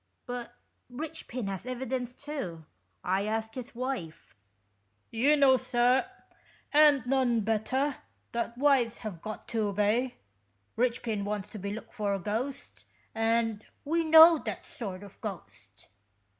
" But Eichpin has evidence too. I asked his wife." " You know, sir, and none better, that wives have got to obey. Eichpin wants to be took for a ghost, and we know that sort of ghost.